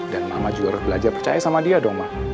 dan mama juga harus belajar percaya sama dia dong mak